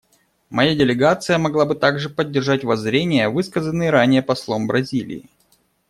Моя делегация могла бы также поддержать воззрения, высказанные ранее послом Бразилии.